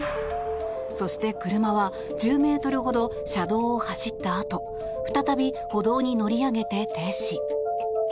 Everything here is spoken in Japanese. そして、車は１０ｍほど車道を走ったあと再び歩道に乗り上げて停止。